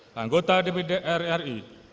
tanggung jawab dan keinginan terima kasih